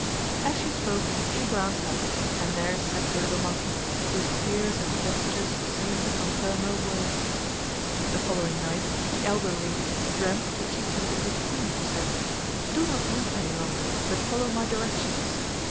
As she spoke she glanced up, and there sat the little monkey, whose tears and gestures seemed to confirm her words. The following night the elder lady dreamt that she saw the Good Queen, who said, 'Do not weep any longer but follow my directions.